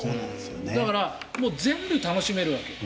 だから全部楽しめるわけ。